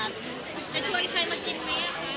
จะชวนใครมากินไหม